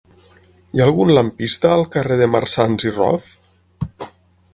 Hi ha algun lampista al carrer de Marsans i Rof?